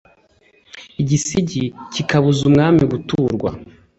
Igisigi kikabuza umwami guturwa.